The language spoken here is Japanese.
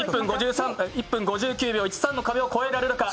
１分５９秒１３の壁を越えられるか。